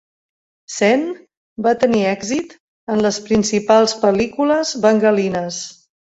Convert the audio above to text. Sen va tenir èxit en les principals pel·lícules bengalines.